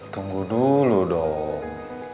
tunggu dulu dong